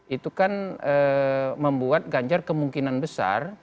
itu kan membuat ganjar kemungkinan besar